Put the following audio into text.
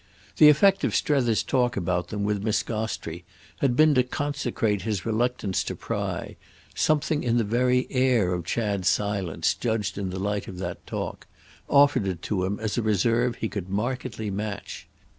The effect of Strether's talk about them with Miss Gostrey had been quite to consecrate his reluctance to pry; something in the very air of Chad's silence—judged in the light of that talk—offered it to him as a reserve he could markedly match.